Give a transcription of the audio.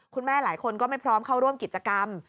หลายคนก็ไม่พร้อมเข้าร่วมกิจกรรม